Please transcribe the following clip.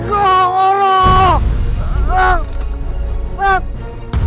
balar nasi kau anjingmu